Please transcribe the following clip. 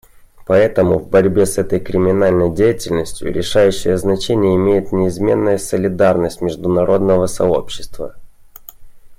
Поэтому в борьбе с этой криминальной деятельностью решающее значение имеет неизменная солидарность международного сообщества.